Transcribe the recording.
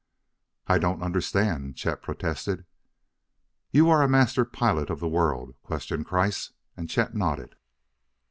"I don't understand," Chet protested. "You are a Master Pilot of the World?" questioned Kreiss, and Chet nodded.